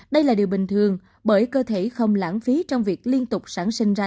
đây là điều bình thường bởi cơ thể không lãng phí trong việc liên tục sản sinh ra